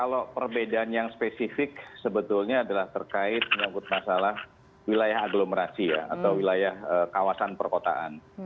kalau perbedaan yang spesifik sebetulnya adalah terkait menyangkut masalah wilayah aglomerasi ya atau wilayah kawasan perkotaan